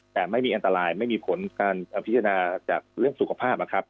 แต่ไม่มีอันตรายไม่มีผลการพิจารณาจากเรื่องสุขภาพนะครับ